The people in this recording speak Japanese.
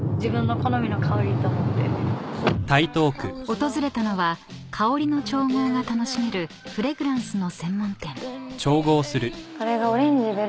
［訪れたのは香りの調合が楽しめるフレグランスの専門店］